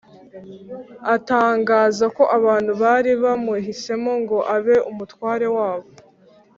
. Atangaza ko abantu bari bamuhisemo ngo abe umutware wabo